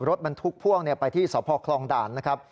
รถบรรทุกพ่วงไปที่สพคลองด่านนะครับ